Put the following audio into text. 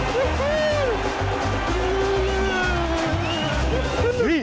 หรือใครกำลังร้อนเงิน